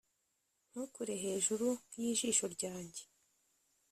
Ntukure hejuru yijisho ryanjye